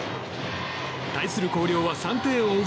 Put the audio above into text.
対する広陵は３点を追う